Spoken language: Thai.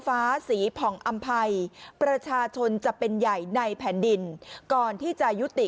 ฟ้าสีผ่องอำภัยประชาชนจะเป็นใหญ่ในแผ่นดินก่อนที่จะยุติ